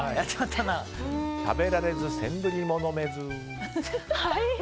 食べられず、センブリも飲めず。